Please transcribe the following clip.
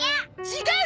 違う！